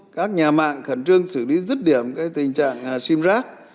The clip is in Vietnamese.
các nhà mạng khẩn trương xử lý dứt điểm cái tình trạng sim rac